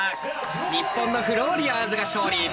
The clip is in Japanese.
日本のフローリアーズが勝利。